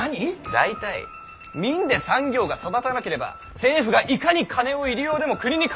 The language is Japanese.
大体民で産業が育たなければ政府がいかに金を入り用でも国に金は生まれませぬ。